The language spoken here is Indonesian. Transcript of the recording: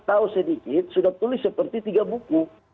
tahu sedikit sudah tulis seperti tiga buku